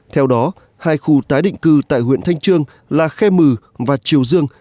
theo đó hai khu tái định cư tại huyện thanh trương là khe mừ và triều dương